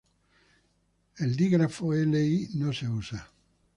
El dígrafo Ll no se usa.